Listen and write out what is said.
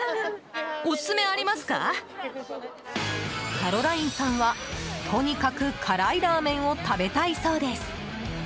キャロラインさんは、とにかく辛いラーメンを食べたいそうです。